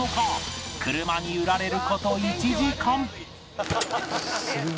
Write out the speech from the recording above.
車に揺られる事１時間